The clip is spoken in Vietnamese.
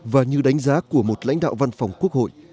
và như đánh giá của một lãnh đạo văn phòng quốc hội